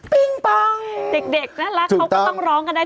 ปิ้งป้อง